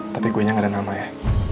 tapi kuenya gak ada nama ya